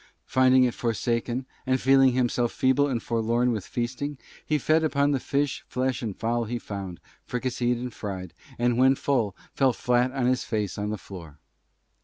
Finding it Forsaken, and Feeling himself Feeble and Forlorn, with Feasting, he Fed upon the Fish, Flesh, and Fowl he Found, Fricasseed and Fried, and when Full, Fell Flat on his Face on the Floor.